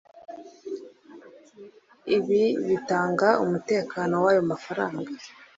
Ibi bitanga umutekano w’ayo mafaranga